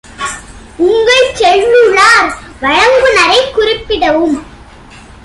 உங்கள் செல்லுலார் வழங்குநரைக் குறிப்பிடவும்.